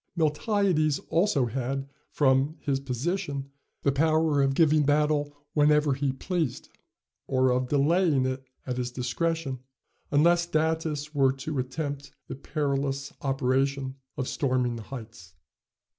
Miltiades also had, from, his position, the power of giving battle whenever he pleased, or of delaying it at his discretion, unless Datis were to attempt the perilous operation of storming the heights.